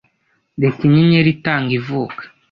reka inyenyeri itanga ivuka